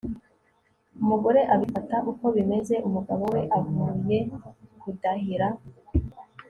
umugore abifata uko bimeze, umugabo we avuye kudahira